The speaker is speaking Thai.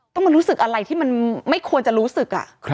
ต้องมารู้สึกอะไรที่มันไม่ควรจะรู้สึก